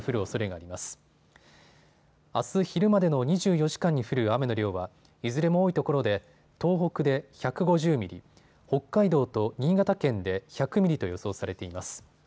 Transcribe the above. あす昼までの２４時間に降る雨の量はいずれも多いところで東北で１５０ミリ、北海道と新潟県で１００ミリと予想されています。